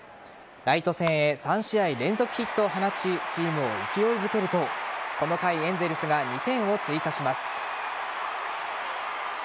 ライト線へ３試合連続ヒットを放ちチームを勢いづけるとこの回エンゼルスが２点を追加します。